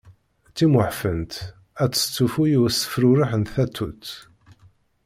Timmuɛfent ad testufu i usefrurex n tatut.